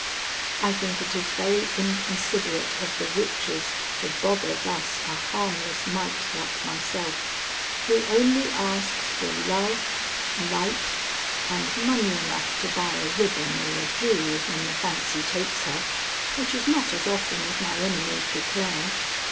I think it is very inconsiderate of the witches to bother thus a harmless mite like myself, who only asks for love, light, and money enough to buy a ribbon or a jewel when the fancy takes her, which is not as often as my enemies declare.